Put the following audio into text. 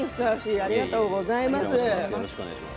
ありがとうございます。